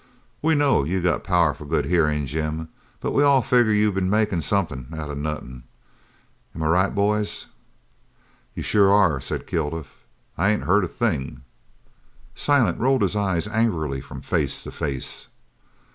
We know you got powerful good hearin', Jim, but we all figger you been makin' somethin' out of nothin'. Am I right, boys?" "You sure are," said Kilduff, "I ain't heard a thing." Silent rolled his eyes angrily from face to face.